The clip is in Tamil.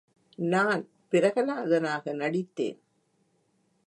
நான் பிரகலாதனாக நடித்தேன்.